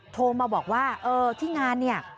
โทรมาบอกว่าเออที่งานเนี่ย